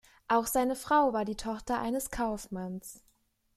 Auch seine Frau war die Tochter eines Kaufmanns.